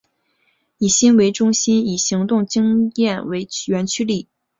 以心为中心以行动经验为原驱力。